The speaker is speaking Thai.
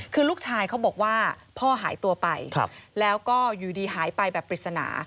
คือลูกชายเขาบอกว่าพ่อหายตัวไปแล้วก็อยู่ดีหายไปแบบปริศนา